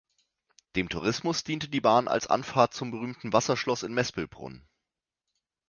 Dem Tourismus diente die Bahn als Anfahrt zum berühmten Wasserschloss in Mespelbrunn.